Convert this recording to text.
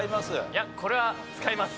いやこれは使います。